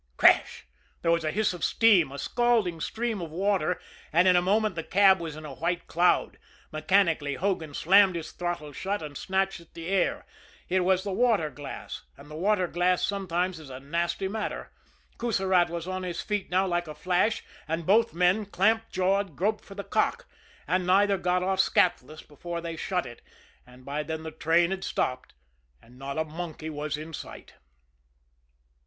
Crash! There was a hiss of steam, a scalding stream of water, and in a moment the cab was in a white cloud. Mechanically, Hogan slammed his throttle shut, and snatched at the "air." It was the water glass and the water glass sometimes is a nasty matter. Coussirat was on his feet now like a flash, and both men, clamped jawed, groped for the cock; and neither got off scathless before they shut it and by then the train had stopped, and not a monkey was in sight.